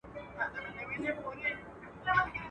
هره خوا ګورم تیارې دي چي ښکارېږي.